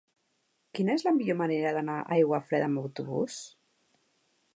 Quina és la millor manera d'anar a Aiguafreda amb autobús?